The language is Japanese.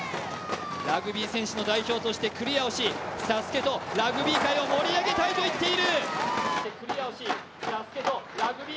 ラグビー選手の代表として、クリアをし、ＳＡＳＵＫＥとラグビー界を盛り上げたいと言っている。